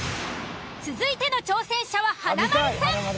続いての挑戦者は華丸さん。